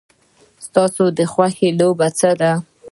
ستا د خوښې لوبې څه دي؟